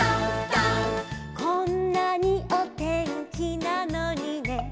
「こんなにお天気なのにね」